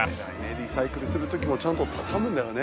リサイクルするときもちゃんとたたむんだよね